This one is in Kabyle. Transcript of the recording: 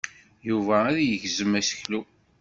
Yuba ad yegzem aseklu.